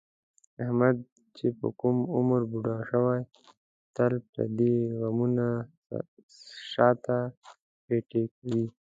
احمد چې په کوم عمر بوډا شوی، تل پردي غمونه شاته پېټی کوي.